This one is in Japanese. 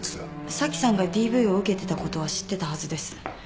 紗季さんがＤＶを受けてたことは知ってたはずです。